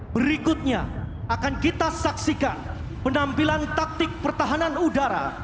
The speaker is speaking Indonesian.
berikutnya akan kita saksikan penampilan taktik pertahanan udara